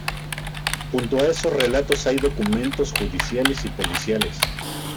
Junto a esos relatos hay documentos judiciales y policiales.